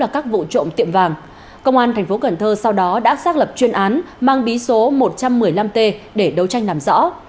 công an tp cần thơ sau đó đã xác lập chuyên án mang bí số một trăm một mươi năm t để đấu tranh làm rõ